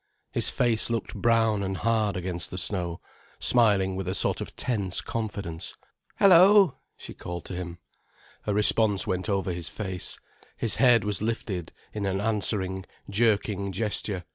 His face looked brown and hard against the snow, smiling with a sort of tense confidence. "Hello!" she called to him. A response went over his face, his head was lifted in an answering, jerking gesture.